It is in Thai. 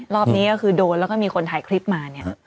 รอบนี้ก็คือโดนแล้วก็มีคนถ่ายคลิปมาเนี่ย